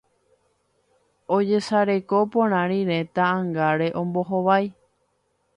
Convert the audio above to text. ojesareko porã rire ta'ãngáre ombohovái